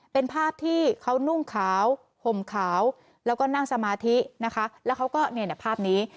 เป็นภาพที่เขานุ่งขาวห่มขาวแล้วก็นั่งสมาธินะคะแล้วเขาก็เนี่ยภาพนี้